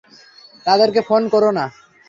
তাদেরকে ফোন করো না।